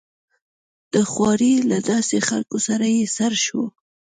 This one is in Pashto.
د خوارې له داسې خلکو سره يې سر شو.